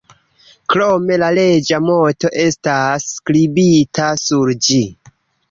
Krome la reĝa moto estas skribita sur ĝi.